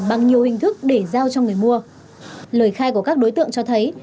bằng nhiều hình thức để giao cho người mua lời khai của các đối tượng cho thấy